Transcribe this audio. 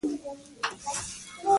د مؤمن خوی د رسول الله سنت دی.